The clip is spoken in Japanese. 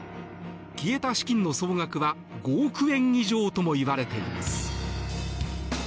消えた資金の総額は５億円以上ともいわれています。